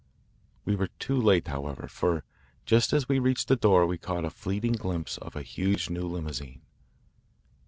We were too late, however, for just as we reached the door we caught a fleeting glimpse of a huge new limousine.